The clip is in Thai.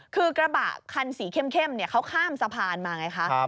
คือกระบะคันสีเข้มเขาข้ามสะพานมาไงคะ